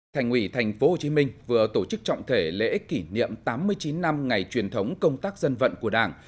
thành ủy tp hcm vừa tổ chức trọng thể lễ kỷ niệm tám mươi chín năm ngày truyền thống công tác dân vận của đảng